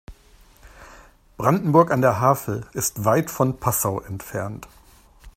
Brandenburg an der Havel ist weit von Passau entfernt